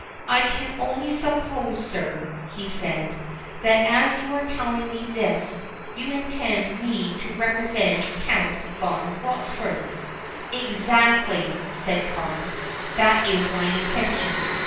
"I can only suppose, sir," he said, "that as you are telling me this, you intend me to represent Count Von Walzburg." "Exactly," said Carne. "That is my intention.